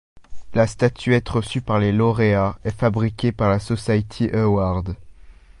La statuette reçue par les lauréats est fabriquée par la Socity Awards.